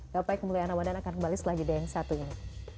dapai kemuliaan allah dan akan kembali selagi daing satu ini